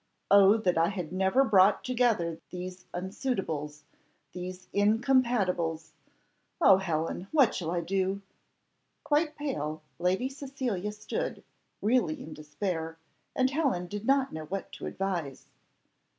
O that I had never brought together these unsuitabilities, these incompatibilities! Oh, Helen! what shall I do?" Quite pale, Lady Cecilia stood, really in despair; and Helen did not know what to advise.